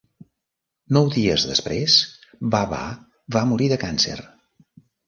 Nou dies després, Baba va morir de càncer.